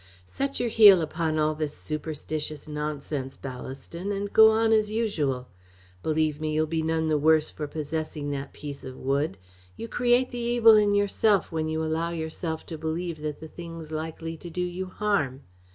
Set your heel upon all this superstitious nonsense, Ballaston, and go on as usual. Believe me, you'll be none the worse for possessing that piece of wood. You create the evil in yourself when you allow yourself to believe that the thing's likely to do you harm.